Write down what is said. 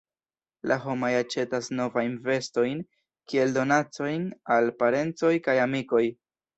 La homoj aĉetas novajn vestojn kiel donacojn al parencoj kaj amikoj.